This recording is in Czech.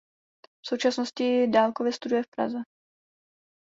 V současnosti dálkově studuje v Praze.